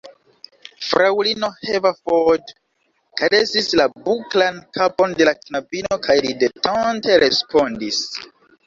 Fraŭlino Haverford karesis la buklan kapon de la knabino, kaj ridetante respondis: